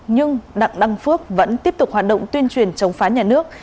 nhưng đặng đăng phước vẫn tiếp tục hoạt động tuyên truyền chống phá nhà nước